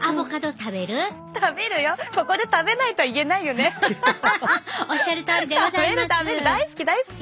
食べる食べる大好き大好き！